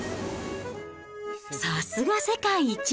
さすが世界一。